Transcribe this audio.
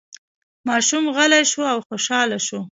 ماشوم غلی شو او خوشحاله شو.